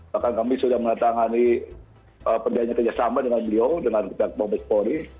bahkan kami sudah mendatangani perjanjian kerjasama dengan beliau dengan pihak mabes polri